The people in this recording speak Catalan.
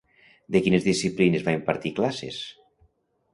De quines disciplines va impartir classes?